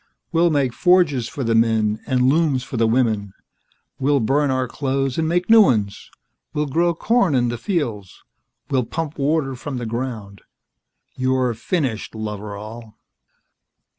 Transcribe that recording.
We'll make forges for the men and looms for the women. We'll burn our clothes and make new ones. We'll grow corn in the fields. We'll pump water from the ground. You're finished, Loveral."